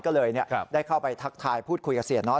ก็เลยได้เข้าไปทักทายพูดคุยกับเสียน้อย